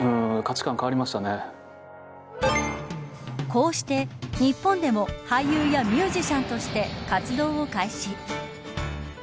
こうして、日本でも俳優やミュージシャンとして活動を開始。